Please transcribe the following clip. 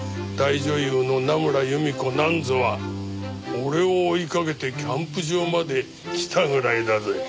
大女優の名村由美子なんぞは俺を追いかけてキャンプ場まで来たぐらいだぜ。